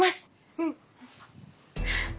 うん。